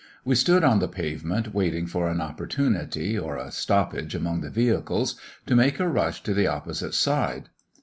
We stood on the pavement waiting for an opportunity, or a stoppage among the vehicles, to make a rush to the opposite side.